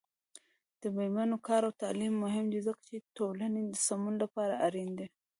د میرمنو کار او تعلیم مهم دی ځکه چې ټولنې سمون لپاره اړین دی.